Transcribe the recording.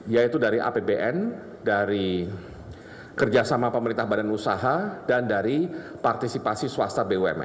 yaitu dari apbn dari kerjasama pemerintah badan usaha dan dari partisipasi swasta bumn